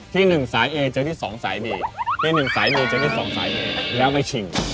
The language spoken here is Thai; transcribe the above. ที่๑สายมีจะมี๒สายเหมียแล้วไปชิง